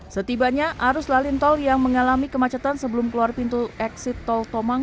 setibanya arus lalin tol yang mengalami kemacetan sebelum keluar pintu eksit tol tomang